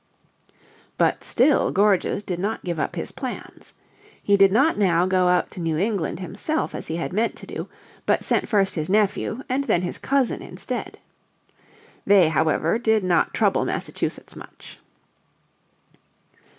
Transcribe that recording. But still Gorges did not give up his plans. He did not now go out to New England himself as he had meant to do, but sent first his nephew and then his cousin instead. They, however, did not trouble Massachusetts much.